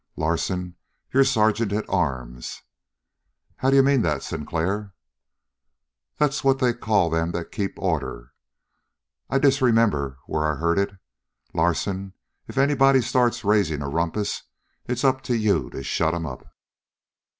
"Larsen, you're sergeant at arms." "How d'you mean that, Sinclair?" "That's what they call them that keeps order; I disremember where I heard it. Larsen, if anybody starts raising a rumpus, it's up to you to shut 'em up."